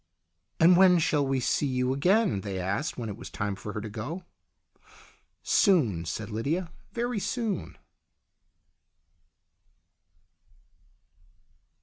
"And when shall we see you again?" they asked when it was time for her to go. " Soon," said Lydia. " Very soon."